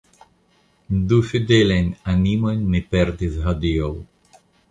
Du fidelaj animoj mi perdis hodiaŭ.